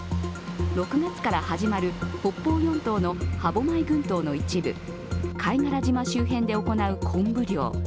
６月から始まる北方四島の歯舞群島の一部貝殻島周辺で行う昆布漁。